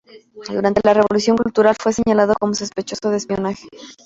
Durante la Revolución Cultural fue señalado como sospechoso de espionaje.